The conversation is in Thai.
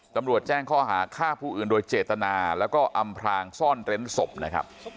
ตำรวจแจ้งข้อหาฆ่าผู้อื่นโดยเจตนาแล้วก็อำพลางซ่อนเร้นศพนะครับ